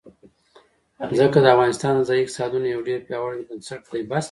ځمکه د افغانستان د ځایي اقتصادونو یو ډېر پیاوړی بنسټ دی.